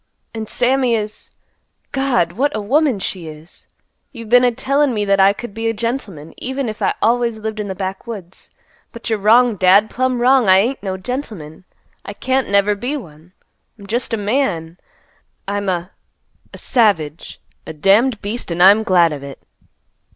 And Sammy is—God! What a woman she is! You've been a tellin' me that I could be a gentleman, even if I always lived in the backwoods. But you're wrong, Dad, plumb wrong. I ain't no gentleman. I can't never be one. I'm just a man. I'm a—a savage, a damned beast, and I'm glad of it."